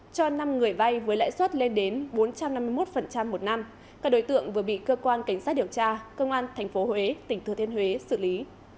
cho năm người vay với lãi suất lên đến bốn trăm năm mươi một một năm các đối tượng vừa bị cơ quan cảnh sát điều tra công an tp huế tỉnh thừa thiên huế xử lý